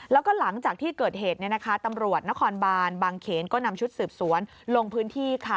แล้วก็หลังจากที่เกิดเหตุตำรวจนครบานบางเขนก็นำชุดสืบสวนลงพื้นที่